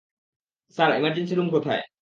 Sir, emergency room কোথায়?